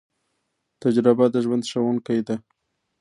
تجربه د ژوند ښوونکی ده